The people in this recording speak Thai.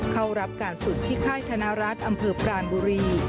เข้ารับการฝึกที่ค่ายธนรัฐอำเภอปรานบุรี